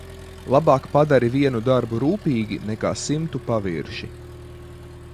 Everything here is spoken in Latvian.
Labāk padari vienu darbu rūpīgi nekā simtu pavirši.